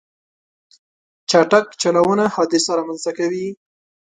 چټک چلوونه حادثه رامنځته کوي.